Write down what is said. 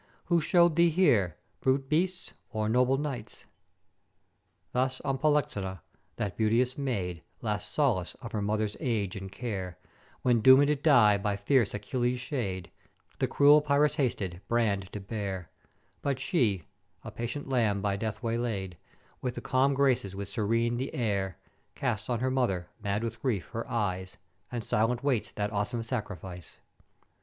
how showed ye here, brute beasts or noble Knights? "Thus on Polyxena, that beauteous maid, last solace of her mother's age and care, when doom'd to die by fierce Achilles' shade, the cruel Pyrrhus hasted brand to bare: But she (a patient lamb by death waylaid) with the calm glances which serene the air, casts on her mother, mad with grief, her eyes and silent waits that awesome sacrifice.